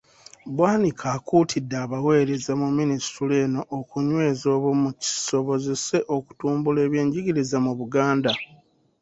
Bwanika akuutidde abaweereza mu Minisitule eno okunyweza obumu, kisobozese okutumbula ebyenjigiriza mu Buganda.